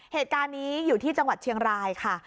เหตุการณ์นี้อยู่ที่จังหวัดเชียงรายค่ะ